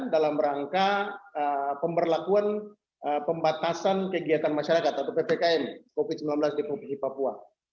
dalam rangka pemberlakuan pembatasan kegiatan masyarakat atau ppkm covid sembilan belas di provinsi papua